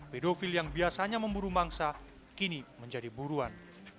pedofil yang biasanya memburu mangsa kini menjadi buruan